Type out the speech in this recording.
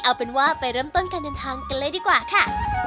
เอาเป็นว่าไปเริ่มต้นการเดินทางกันเลยดีกว่าค่ะ